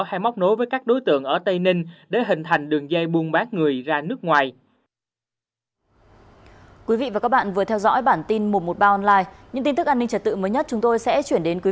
hay móc nối với các đối tượng ở tây ninh để hình thành đường dây buôn bán người ra nước ngoài